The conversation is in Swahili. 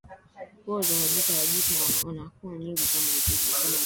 Koo za Wajita Wajita wana koo nyingi kama vile